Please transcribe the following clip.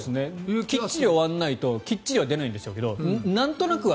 きっちり終わらないときっちり出ないんでしょうけどなんとなくは。